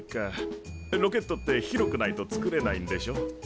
ロケットって広くないと作れないんでしょ？